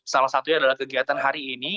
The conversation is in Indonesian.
salah satunya adalah kegiatan hari ini